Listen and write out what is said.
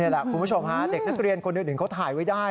นี่แหละคุณผู้ชมฮาเด็กนักเรียนคนเดียวเขาถ่ายไว้ได้